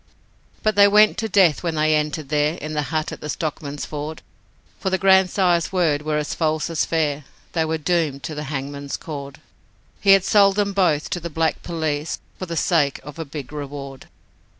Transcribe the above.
But they went to death when they entered there, In the hut at the Stockman's Ford, For their grandsire's words were as false as fair They were doomed to the hangman's cord. He had sold them both to the black police For the sake of the big reward.